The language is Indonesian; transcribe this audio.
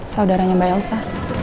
saudaranya mbak yalsa